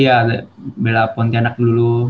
iya bela pontianak dulu